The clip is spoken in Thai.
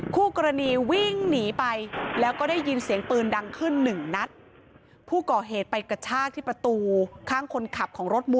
คู่กรณีวิ่งหนีไปแล้วก็ได้ยินเสียงปืนดังขึ้น๑นัท